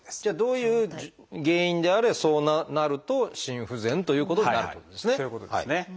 じゃあどういう原因であれそうなると心不全ということになるということですね。